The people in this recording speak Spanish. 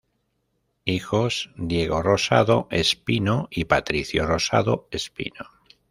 Hijos: Diego Rosado Espino y Patricio Rosado Espino